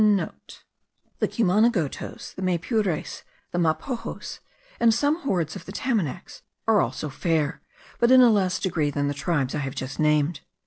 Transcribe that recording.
*(* The Cumanagotos, the Maypures, the Mapojos, and some hordes of the Tamanacs, are also fair, but in a less degree than the tribes I have just named.